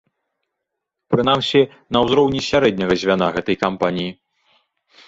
Прынамсі, на ўзроўні сярэдняга звяна гэтай кампаніі.